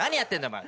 お前。